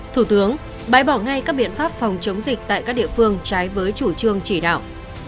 thủ tướng bãi bỏ ngay các biện pháp phòng chống dịch tại các địa phương trái với chủ trương chỉ đạo